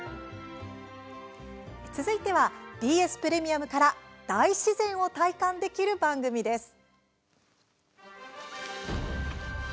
続いてはＢＳプレミアムから大自然を体感できる番組です。